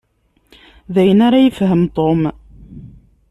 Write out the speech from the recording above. D ayen ara yefhem Tom.